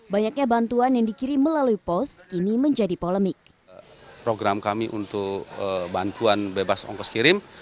banyaknya bantuan yang dikirim melalui pos kini menjadi polemik